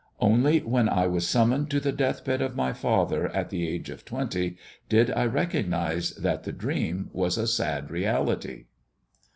Only when I was summoned to the death bed of my father, at the age of twenty, did I recognize that the dream was a sad reality."